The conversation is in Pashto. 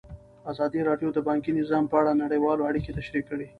ازادي راډیو د بانکي نظام په اړه نړیوالې اړیکې تشریح کړي.